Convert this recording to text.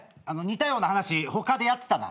似たような話他でやってたな。